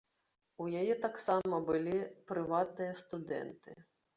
У яе таксама былі прыватныя студэнты.